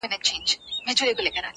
لمر راختلی دی.